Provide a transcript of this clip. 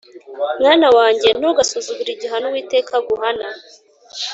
Mwana wanjye, ntugasuzugure igihano Uwiteka aguhana